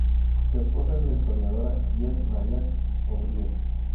Su esposa es la historiadora Jean Maria O'Brien.